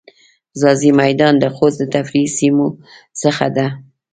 ځاځی میدان د خوست د تفریحی سیمو څخه ده.